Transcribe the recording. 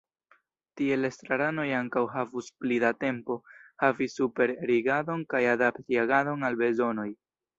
Tiel estraranoj ankaŭ havus pli da tempo, havi superrigardon kaj adapti agadon al bezonoj.